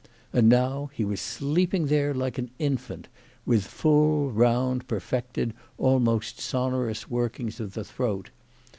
And now he was sleeping there like an infant, with full, round, perfected, almost sonorous workings of the throat.